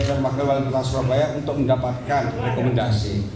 dan wakil wali kota surabaya untuk mendapatkan rekomendasi